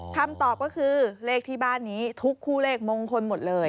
คำตอบก็คือเลขที่บ้านนี้ทุกคู่เลขมงคลหมดเลย